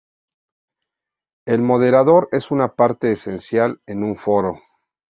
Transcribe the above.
El moderador es una parte esencial en un foro.